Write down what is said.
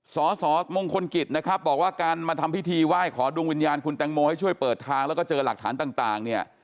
สสมงคลกิจนะครับบอกว่าการมาทำพิธีไหว้ขอดวงวิญญาณคุณแตงโมให้ช่วยเปิดทางแล้วก็เจอหลักฐานต่างเนี่ย